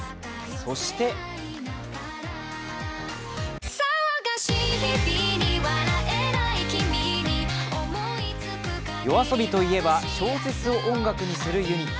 そしてＹＯＡＳＯＢＩといえば小説を音楽にするユニット。